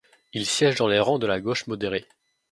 Il siège dans les rangs de la gauche modérée.